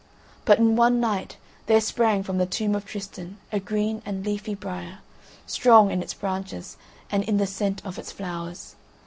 But in one night there sprang from the tomb of Tristan a green and leafy briar, strong in its branches and in the scent of its flowers.